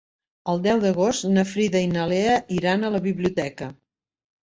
El deu d'agost na Frida i na Lea iran a la biblioteca.